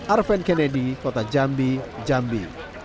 arven kennedy kota jambi jambi